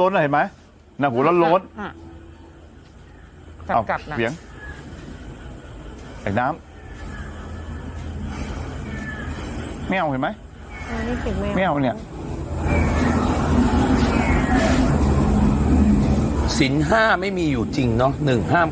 ถ้าคงผิดนี่คือ